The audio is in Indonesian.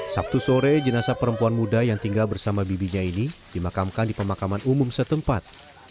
sabtu sore jenazah perempuan muda yang tinggal bersama bibinya ini dimakamkan di pemakaman umum setempat